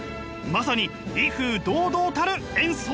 まさに「威風堂々」たる演奏！